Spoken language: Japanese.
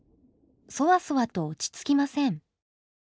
そわそわと落ち着きません。